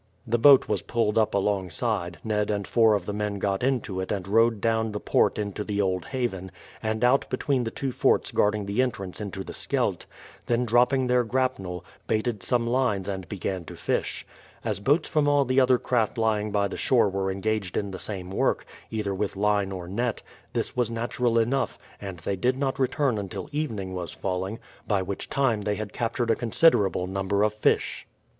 The boat was pulled up alongside, Ned and four of the men got into it and rowed down the port into the Old Haven, and out between the two forts guarding the entrance into the Scheldt, then dropping their grapnel, baited some lines and began to fish. As boats from all the other craft lying by the shore were engaged in the same work, either with line or net, this was natural enough, and they did not return until evening was falling, by which time they had captured a considerable number of fish.